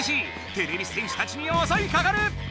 てれび戦士たちにおそいかかる！